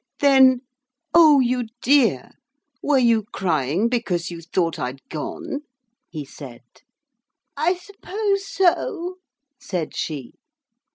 'Then ... oh you dear ... were you crying because you thought I'd gone?' he said. 'I suppose so,' said she.